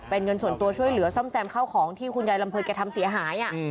เป็นเงินส่วนตัวช่วยเหลือซ่อมแซมเข้าของที่คุณยายลำเภยแกทำเสียหาย